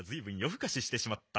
ふかししてしまった。